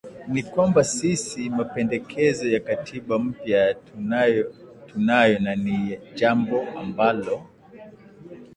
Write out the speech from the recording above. ni kwamba sisi mapendekezo ya katiba mpya tunayo na ni jambo ambalo